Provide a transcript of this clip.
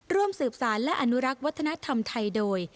ร่วมสืบสารและอนุรักษ์วัฒนธรรมไทยโดย